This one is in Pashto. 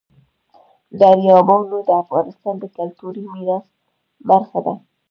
دریابونه د افغانستان د کلتوري میراث برخه ده.